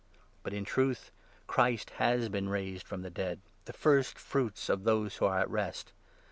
But, in truth, Christ has been raised from the dead, the first 20 fruits of those who are at rest.